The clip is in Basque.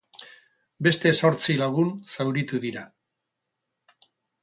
Beste zortzi lagun zauritu dira.